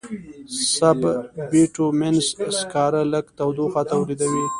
سب بټومینس سکاره لږ تودوخه تولیدوي.